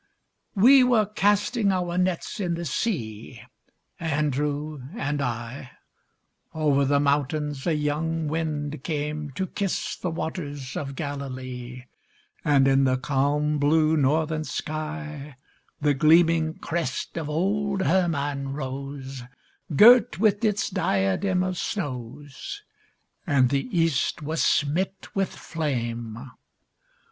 We were casting our nets in the sea, Andrew and I; Over the mountains a young wind came To kiss the waters of Galilee, And in the calm blue northern sky The gleaming crest of old Hermon rose Girt with its diadem of snows. And the east was smit with flame.